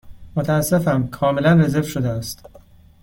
متأسفم، کاملا رزرو شده است.